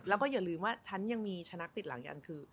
แล้วก็อย่าลืมว่าฉันยังมีชนะติดหลังอีกอันคือ